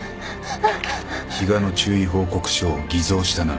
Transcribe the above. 比嘉の注意報告書を偽造したな。